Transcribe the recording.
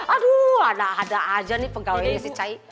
aduh ada aja nih pegawainya si cai